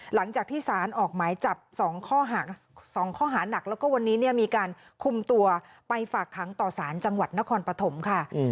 หลังจากที่สารออกหมายจับ๒ข้อหานักแล้วก็วันนี้มีการคุมตัวไปฝากค้างต่อสารจังหวัดนครปฐมค่ะ